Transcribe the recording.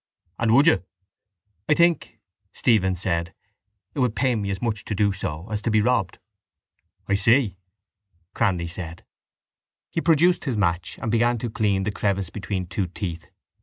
—And would you? —I think, Stephen said, it would pain me as much to do so as to be robbed. —I see, Cranly said. He produced his match and began to clean the crevice between two teeth.